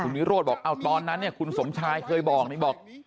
คุณวิโรธบอกตอนนั้นคุณสมชายเคยบอก